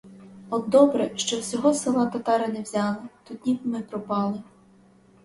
От добре, що всього села татари не взяли, тоді б ми пропали.